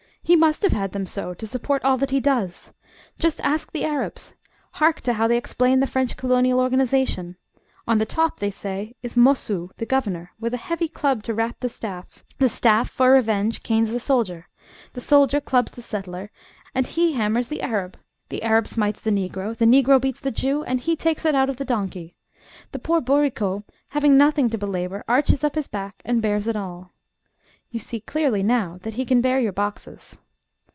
He must have them so to support all that he does. Just ask the Arabs. Hark to how they explain the French colonial organisation. 'On the top,' they say, 'is Mossoo, the Governor, with a heavy club to rap the staff; the staff, for revenge, canes the soldier; the soldier clubs the settler, and he hammers the Arab; the Arab smites the Negro, the Negro beats the Jew, and he takes it out of the donkey. The poor bourriquot having nobody to belabour, arches up his back and bears it all.' You see clearly now that he can bear your boxes."